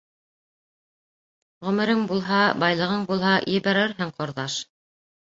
— Ғүмерең булһа, байлығың булһа, ебәрерһең, ҡорҙаш.